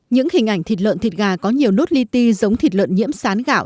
những hình ảnh thịt lợn thịt gà có nhiều nốt ly ti giống thịt lợn nhiễm sán gạo